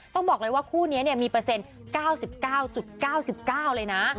ต้องบอกเลยว่าคู่นี้มีเปอร์เซ็นต์๙๙๙๙๙เลยนะ